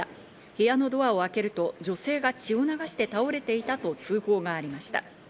部屋のドアを開けると女性が血を流して倒れていたと通報がありました。